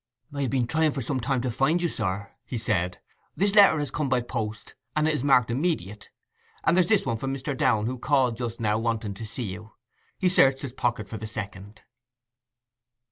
'I have been trying for some time to find you, sir,' he said. 'This letter has come by the post, and it is marked immediate. And there's this one from Mr. Downe, who called just now wanting to see you.' He searched his pocket for the second.